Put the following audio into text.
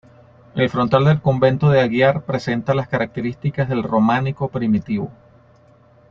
El frontal del Convento de Aguiar presenta las características del románico primitivo.